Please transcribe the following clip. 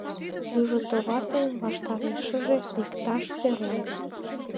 Южо товар дене ваштарешыже лекташ сӧрен.